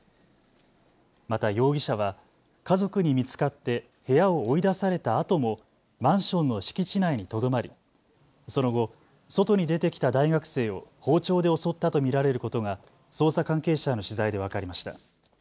また容疑者は家族に見つかって部屋を追い出されたあともマンションの敷地内にとどまり、その後、外に出てきた大学生を包丁で襲ったと見られることが捜査関係者への取材で分かりました。